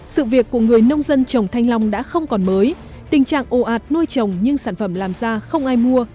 sự việc của người nông dân trồng thanh long đã không còn mới tình trạng ồ ạt nuôi trồng nhưng sản phẩm làm ra không ai mua